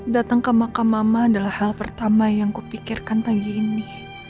datang ke makam mama adalah hal pertama yang kupikirkan pagi ini